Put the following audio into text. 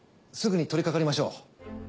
すぐに取りかかりましょう。